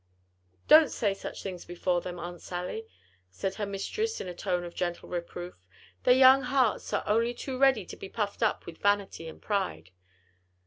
"Don't say such things before them, Aunt Sally," said her mistress in a tone of gentle reproof, "their young hearts are only too ready to be puffed up with vanity and pride.